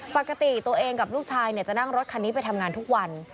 ปกติตัวเองกับลูกชายจะนั่งรถคันนี้ไปทำงานทุกวัน